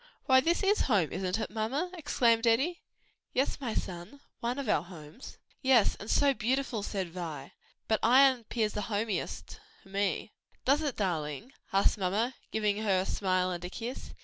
why this is home; isn't it, mamma?" exclaimed Eddie. "Yes, my son, one of our homes." "Yes, and so beautiful," said Vi; "but Ion 'pears the homest to me." "Does it, darling?" asked mamma, giving her a smile and a kiss.